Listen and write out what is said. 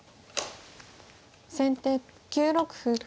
先手９六歩。